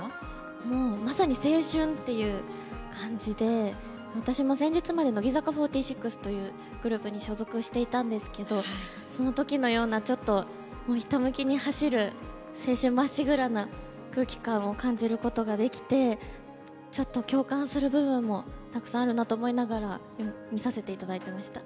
もうまさに青春っていう感じで私も先日まで乃木坂４６というグループに所属していたんですけどその時のようなちょっともうひたむきに走る青春まっしぐらな空気感を感じることができてちょっと共感する部分もたくさんあるなと思いながら見させて頂いてました。